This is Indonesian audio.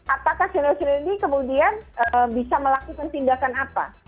apakah senior senior ini kemudian bisa melakukan tindakan apa